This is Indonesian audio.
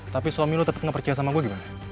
tapi suami lo tetep gak percaya sama gue gimana